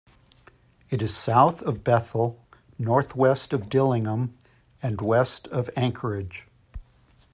It is south of Bethel, northwest of Dillingham and west of Anchorage.